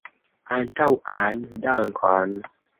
Antaŭan dankon!